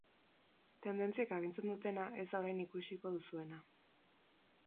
Tendentziek agintzen dutena ez da orain ikusiko duzuena.